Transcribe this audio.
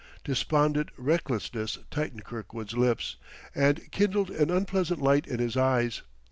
Despondent recklessness tightened Kirkwood's lips and kindled an unpleasant light in his eyes.